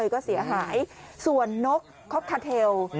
ก็เสียหายส่วนนกค็อกคาเทล